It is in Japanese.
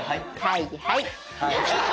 はいはい！